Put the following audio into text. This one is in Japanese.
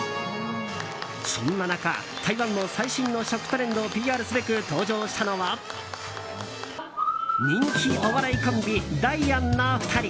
そんな中、台湾の最新の食トレンドをＰＲすべく登場したのは人気お笑いコンビダイアンの２人！